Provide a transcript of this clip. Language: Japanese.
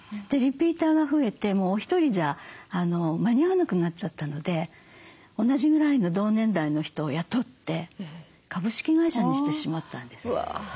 リピーターが増えてもうお一人じゃ間に合わなくなっちゃったので同じぐらいの同年代の人を雇って株式会社にしてしまったんです。